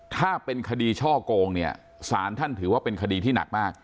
ถ้าเป็นคดีช่อโกงเนี่ยสารท่านถือว่าเป็นคดีที่หนักมาก